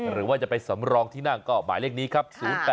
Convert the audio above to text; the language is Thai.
หรือว่าจะไปสำรองที่นั่งก็หมายเลขนี้ครับ